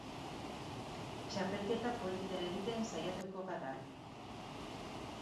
Txapelketa polita egiten saiatuko gara.